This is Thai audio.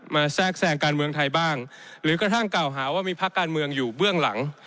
แทรกแทรงการเมืองไทยบ้างหรือกระทั่งกล่าวหาว่ามีภาคการเมืองอยู่เบื้องหลัง